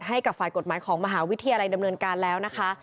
ให้กับฝ่ายกฎหมายของมหาวิทยาลัยดำเนินการแล้วนะคะ